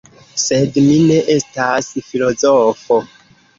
Sed mi ne estas filozofo.